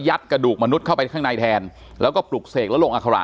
กระดูกมนุษย์เข้าไปข้างในแทนแล้วก็ปลุกเสกแล้วลงอัคระ